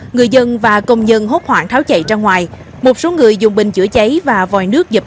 người dân và công nhân hốt hoảng tháo chạy ra ngoài một số người dùng bình chữa cháy và vòi nước dập